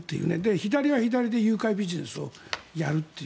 左は左で誘拐ビジネスをやるという。